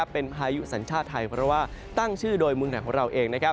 เป็นพายุสัญชาติไทยเพราะว่าตั้งชื่อโดยเมืองไหนของเราเอง